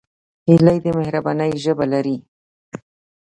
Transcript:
هیلۍ د مهربانۍ ژبه لري